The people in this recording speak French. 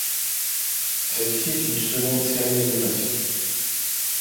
Celle-ci est une seconde série d'animation.